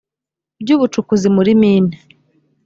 by ubucukuzi muri mine